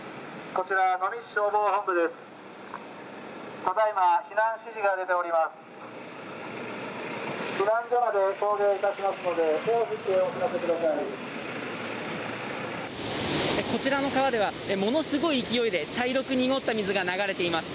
こちらの川ではものすごい勢いで茶色く濁った水が流れています。